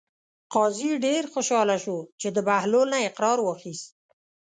قاضي ډېر خوشحاله شو چې د بهلول نه یې اقرار واخیست.